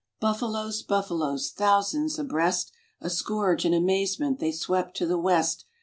Buffaloes, buffaloes, thousands abreast, A scourge and amazement, they swept to the west.